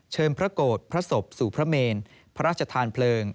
พระโกรธพระศพสู่พระเมนพระราชทานเพลิง